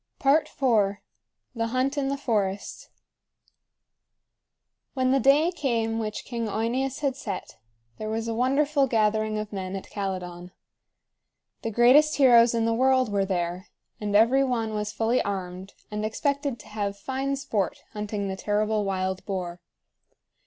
IV. THE HUNT IN THE FOREST. When the day came which King OEneus had set, there was a wonderful gathering of men at Calydon. The greatest heroes in the world were there; and every one was fully armed, and expected to have fine sport hunting the terrible wild boar.